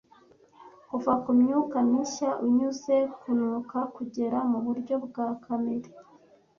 Kuva kumyuka mishya unyuze kunuka kugera muburyo bwa kamere